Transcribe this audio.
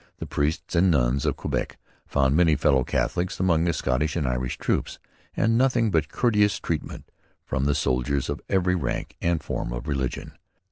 The priests and nuns of Quebec found many fellow Catholics among the Scottish and Irish troops, and nothing but courteous treatment from the soldiers of every rank and form of religion.